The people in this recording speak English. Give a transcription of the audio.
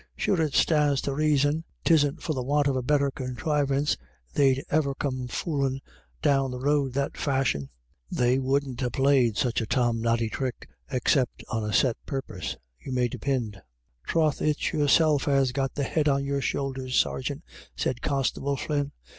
Sure it stands to reason 'tisn't for the want of a better contrivance they'd ever come foolin' down the road that fashion ; they wouldn't ha' played such a torn noddy trick except on a set purpose, you may depind." " Troth, it's yourself has got the head on your shoulders, sergeant," said Constable Flynn.